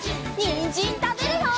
にんじんたべるよ！